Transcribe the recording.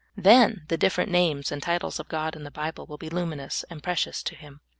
Then the different names and titles of God in the Bible will be luminous and precious to him.